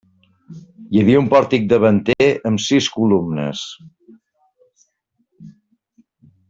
Hi havia un pòrtic davanter amb sis columnes.